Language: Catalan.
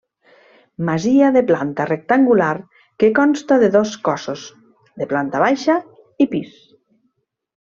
Masia de planta rectangular que consta de dos cossos, de planta baixa i pis.